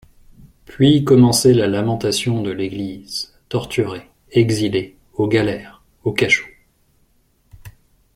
Puis commençait la lamentation de l'Église, torturée, exilée, aux galères, aux cachots.